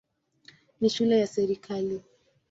Ni shule ya serikali.